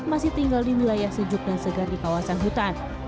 masih tinggal di wilayah sejuk dan segar di kawasan hutan